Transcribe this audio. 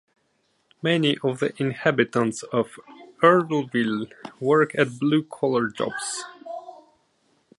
Many of the inhabitants of Earlville work at blue-collar jobs.